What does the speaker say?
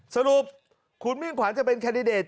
สรุปคุณมิ่งขวัญจะเป็นกันจริงหรือไม่